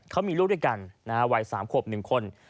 เขามีลูกด้วยกันวัย๓ขวบ๑คน